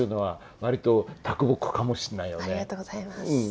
ありがとうございます。